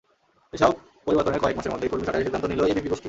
এসব পরিবর্তনের কয়েক মাসের মধ্যেই কর্মী ছাঁটাইয়ের সিদ্ধান্ত নিল এবিপি গোষ্ঠী।